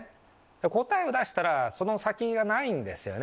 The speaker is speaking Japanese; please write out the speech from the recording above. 答えを出したら、その先がないんですよね。